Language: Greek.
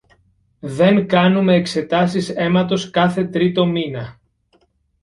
δεν κάνουμε εξετάσεις αίματος κάθε τρίτο μήνα